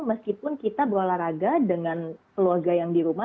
meskipun kita berolahraga dengan keluarga yang di rumah